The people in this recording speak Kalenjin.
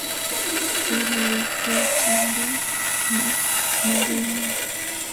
Teleltochindoi née mbarenyii?